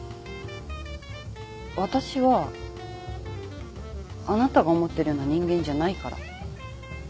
私はあなたが思ってるような人間じゃないから。